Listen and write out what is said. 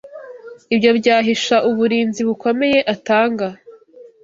ibyo byahisha uburinzi bukomeye atanga